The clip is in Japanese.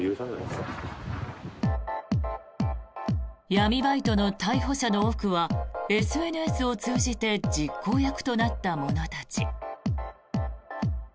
闇バイトの逮捕者の多くはＳＮＳを通じて実行役となった者たち。